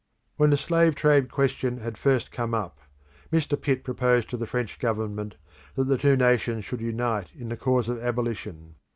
When the slave trade question had first come up, Mr. Pitt proposed to the French Government that the two nations should unite in the cause of abolition.